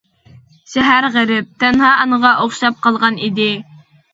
شەھەر غېرىب، تەنھا ئانىغا ئوخشاپ قالغان ئىدى.